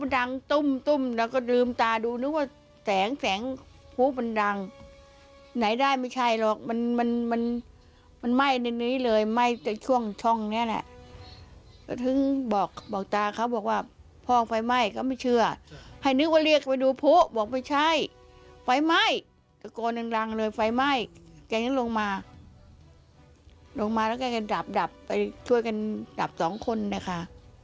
ดับไปช่วยกันดับ๒คนนะคะ